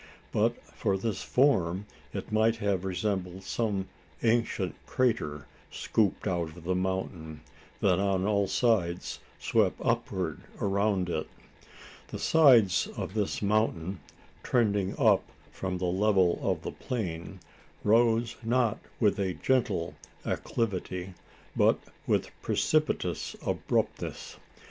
But for this form, it might have resembled some ancient crater scooped out of the mountain, that on all sides swept upward around it. The sides of this mountain, trending up from the level of the plain, rose not with a gentle acclivity, but with precipitous abruptness.